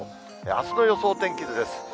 あすの予想天気図です。